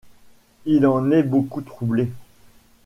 Il en est beaucoup troublé.